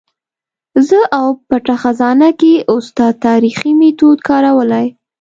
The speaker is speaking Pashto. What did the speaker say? زه او پټه خزانه کې استاد تاریخي میتود کارولی.